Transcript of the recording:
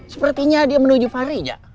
sepertinya dia menuju parija